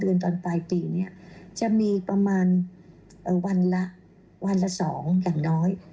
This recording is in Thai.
๔๕เดือนตอนปลายปีเนี่ยจะมีประมาณวันละ๒อย่างน้อย